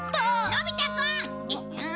のび太くん！